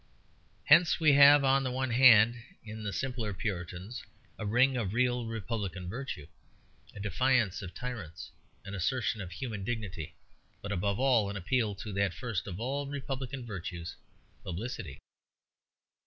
Hence we have, on the one hand, in the simpler Puritans a ring of real republican virtue; a defiance of tyrants, an assertion of human dignity, but above all an appeal to that first of all republican virtues publicity.